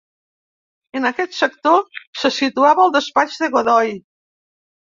En aquest sector se situava el despatx de Godoy.